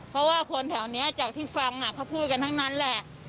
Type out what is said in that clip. เพราะว่าคนแถวนี้จากที่ฟังเขาพูดกันทั้งนั้นแหละ